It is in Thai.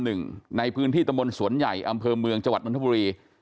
ในพื้นที่ตะมนต์สวนใหญ่อำเภอเมืองจังหวัดนทบุรี